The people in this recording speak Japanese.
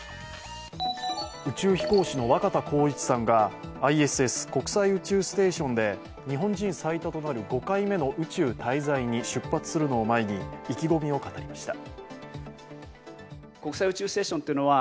宇宙飛行士の若田光一さんがＩＳＳ＝国際宇宙ステーションで日本人最多となる５回目の宇宙滞在に出発するのを前に意気込みを語りました。